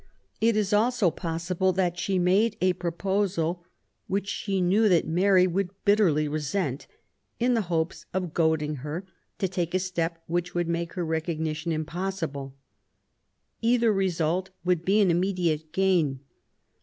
It is also possible that she made a 8o QUEEN ELIZABETH. proposal, which she knew that Mary would bitterly resent, in the hopes of goading her to take a step which would make her recognition impossible. Either result would be an immediate gain.